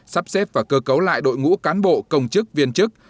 sắp xếp và cơ cấu lại đội ngũ cán bộ công chức viên chức